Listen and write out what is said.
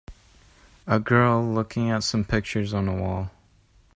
A girl looking at some pictures on a wall.